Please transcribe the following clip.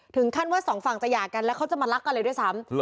ถึงขั้นว่าสองฝั่งจะหย่ากันแล้วเขาจะมารักกันเลยด้วยซ้ำ